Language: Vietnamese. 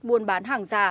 buôn bán hàng giả